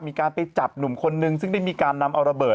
มีการไปจับหนุ่มคนนึงซึ่งได้มีการนำเอาระเบิด